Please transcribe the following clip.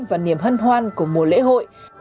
và niềm hân hoan của mùa lễ hội